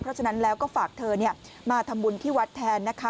เพราะฉะนั้นแล้วก็ฝากเธอมาทำบุญที่วัดแทนนะคะ